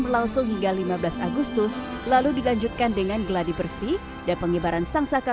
berlangsung hingga lima belas agustus lalu dilanjutkan dengan geladi bersih dan pengibaran sangsaka